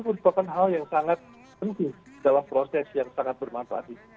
merupakan hal yang sangat penting dalam proses yang sangat bermanfaat